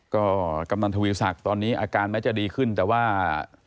ก็กำนันทวีศักดิ์ตอนนี้อาการแม้จะดีขึ้นแต่ว่า